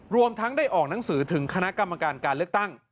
รวมทั้งได้ออกหนังสือถึงคณะกรรมการการเลือกตั้ง